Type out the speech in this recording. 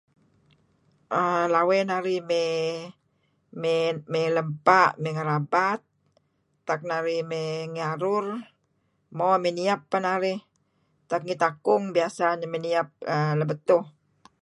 Aah lawey narih may may may lam 'bpa' may ngarabat tak narih may ngi arur, mo may niap pah narih, tak ngi takung, biasa may niap lebetuh.